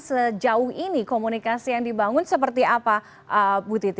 sejauh ini komunikasi yang dibangun seperti apa bu titi